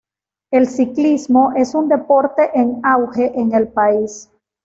El ciclismo es un deporte en auge en el país.